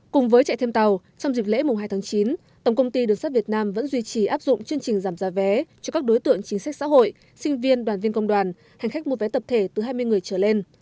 cùng với chạy thêm tàu trong dịp lễ mùng hai tháng chín tổng công ty đường sát việt nam vẫn duy trì áp dụng chương trình giảm giá vé cho các đối tượng chính sách xã hội sinh viên đoàn viên công đoàn hành khách mua vé tập thể từ hai mươi người trở lên